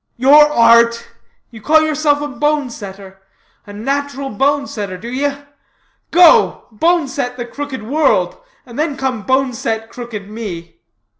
"Your art? You call yourself a bone setter a natural bone setter, do ye? Go, bone set the crooked world, and then come bone set crooked me."